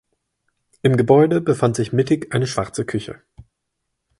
Im Gebäude befand sich mittig eine Schwarze Küche.